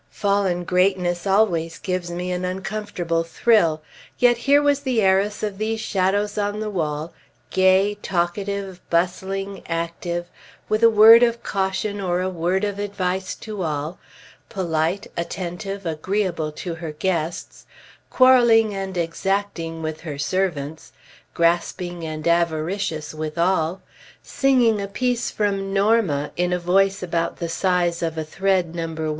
Fallen greatness always gives me an uncomfortable thrill. Yet here was the heiress of these shadows on the wall, gay, talkative, bustling, active; with a word of caution, or a word of advice to all; polite, attentive, agreeable to her guests, quarreling and exacting with her servants, grasping and avaricious with all; singing a piece from "Norma" in a voice, about the size of a thread No.